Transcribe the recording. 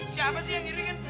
siapa sih yang ngiri kan